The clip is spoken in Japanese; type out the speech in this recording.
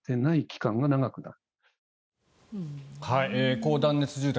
高断熱住宅。